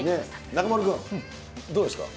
中丸君、どうですか？